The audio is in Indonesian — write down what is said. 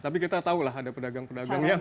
tapi kita tahulah ada pedagang pedagang yang